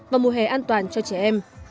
vào mùa hè an toàn cho trẻ em